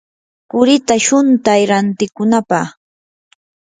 qurita shuntay rantikunapaq.